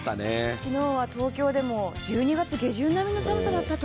昨日は東京でも１２月下旬並みの寒さだったと。